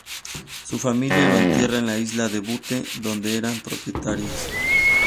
Su familia lo entierra en la isla de Bute, donde eran propietarios.